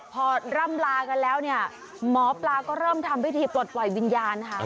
พอร่ำลากันแล้วเนี่ยหมอปลาก็เริ่มทำพิธีปลดปล่อยวิญญาณนะคะ